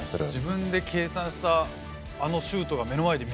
自分で計算したあのシュートが目の前で見れる。